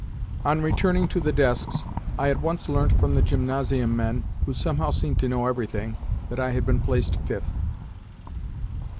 On returning to the desks, I at once learnt from the gymnasium men (who somehow seemed to know everything) that I had been placed fifth.